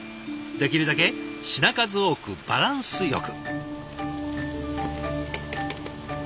できるだけ品数多くバランスよく。